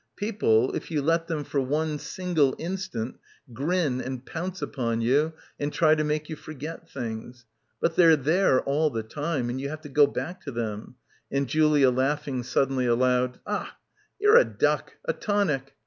People, if you let them for one single instant, grin and pounce upon you and try to make you forget things. But they're there all the time and you have to go back to them," and Julia laughing sud denly aloud, "Ah — you're a duck— a tonic."